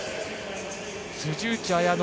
辻内彩野